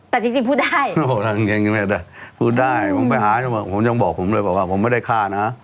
แต่จริงจริงพูดได้พูดได้ผมไปหาผมยังบอกผมเลยบอกว่าผมไม่ได้ฆ่านะ